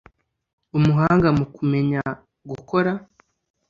umuhanga mu kumenya gukora.